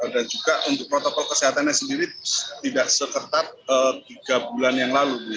dan juga untuk protokol kesehatannya sendiri tidak seketat tiga bulan yang lalu